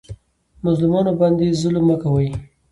مظلومانو باندې ظلم مه کوئ